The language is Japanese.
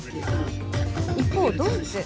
一方、ドイツ。